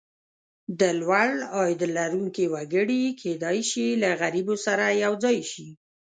د لوړ عاید لرونکي وګړي کېدای شي له غریبو سره یو ځای شي.